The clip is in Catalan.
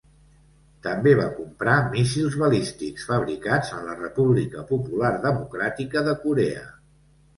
També va comprar míssils balístics fabricats en la República Popular Democràtica de Corea.